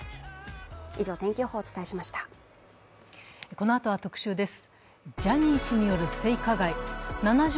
このあとは「特集」です。